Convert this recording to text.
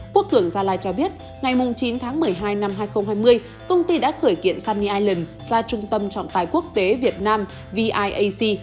quốc cường gia lai cho biết ngày chín tháng một mươi hai năm hai nghìn hai mươi công ty đã khởi kiện sunny ireland ra trung tâm trọng tài quốc tế việt nam viac